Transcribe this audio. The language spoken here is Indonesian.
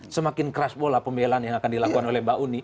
semakin keras bola pembelaan yang akan dilakukan oleh mbak uni